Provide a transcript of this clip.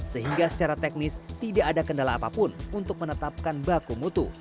sehingga secara teknis tidak ada kendala apapun untuk menetapkan baku mutu